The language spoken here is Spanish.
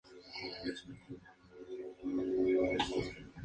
Luego de ese incidente, Linneo solo envió hombres solteros.